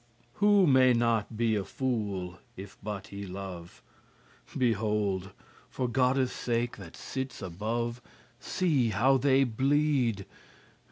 Who may not be a fool, if but he love? Behold, for Godde's sake that sits above, See how they bleed!